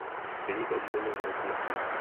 Vynikal výbornou znalostí latiny.